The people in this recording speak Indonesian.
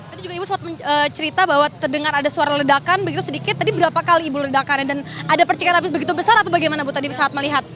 tadi juga ibu sempat mencerita bahwa terdengar ada suara ledakan begitu sedikit tadi berapa kali ibu ledakannya dan ada percikan api begitu besar atau bagaimana bu tadi saat melihat